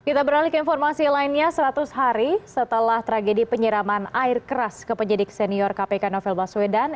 kita beralih ke informasi lainnya seratus hari setelah tragedi penyiraman air keras ke penyidik senior kpk novel baswedan